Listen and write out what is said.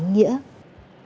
các đồng chí rất quan tâm